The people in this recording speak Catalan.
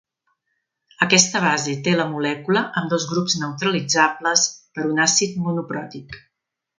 Aquesta base té la molècula amb dos grups neutralitzables per un àcid monopròtic.